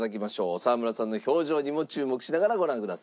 沢村さんの表情にも注目しながらご覧ください。